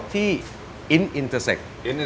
จริง